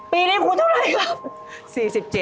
ปีนี้คูณเท่าไหร่ครับ